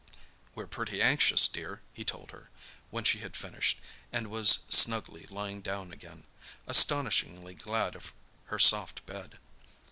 "We're pretty anxious, dear," he told her, when she had finished, and was snugly lying down again, astonishingly glad of her soft bed.